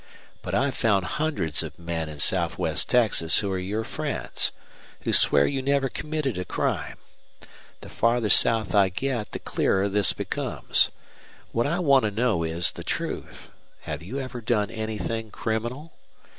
But I've found hundreds of men in southwest Texas who're your friends, who swear you never committed a crime. The farther south I get the clearer this becomes. What I want to know is the truth. Have you ever done anything criminal?